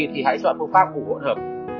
thì hãy chọn phương pháp ủ phổn hợp